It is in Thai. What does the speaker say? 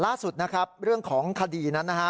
ล่าสุดนะครับเรื่องของคดีนั้นนะฮะ